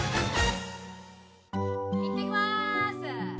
行ってきます。